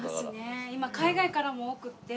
今海外からも多くて。